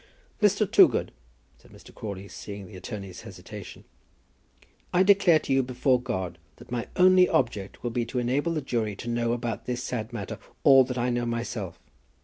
"Mr. Toogood," said Mr. Crawley, seeing the attorney's hesitation, "I declare to you before God, that my only object will be to enable the jury to know about this sad matter all that I know myself.